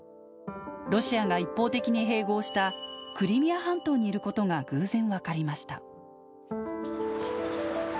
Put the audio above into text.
ロシアが一方的に併合したクリミア半島にいることが偶然分かりました。